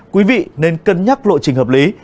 quý vị nên cân nhắc lộ trình hợp lý